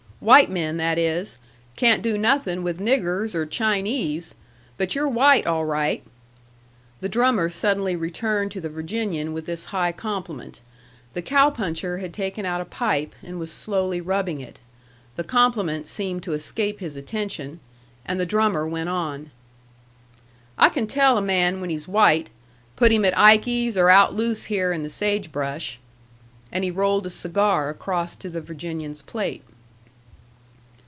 White men, that is. Can't do nothing with niggers or Chinese. But you're white, all right." The drummer suddenly returned to the Virginian with this high compliment. The cow puncher had taken out a pipe, and was slowly rubbing it. The compliment seemed to escape his attention, and the drummer went on. "I can tell a man when he's white, put him at Ikey's or out loose here in the sage brush." And he rolled a cigar across to the Virginian's plate.